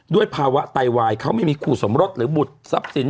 ด้วยภาวะไตวายเขาไม่มีคู่สมรสหรือบุตรทรัพย์สิน